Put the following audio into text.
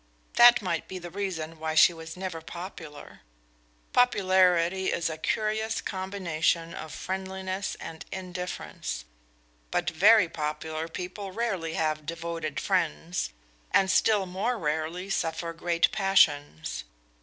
That might be the reason why she was never popular. Popularity is a curious combination of friendliness and indifference, but very popular people rarely have devoted friends, and still more rarely suffer great passions.